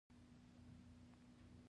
ځان له زیار او خوارۍ سره عادت کړي.